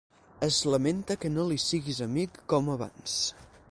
Es lamenta que no li siguis amic com abans.